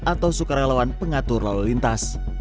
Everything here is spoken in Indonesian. atau sukarelawan pengatur lalu lintas